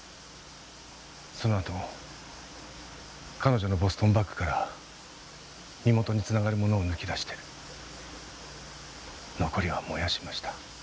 そのあと彼女のボストンバッグから身元に繋がるものを抜き出して残りは燃やしました。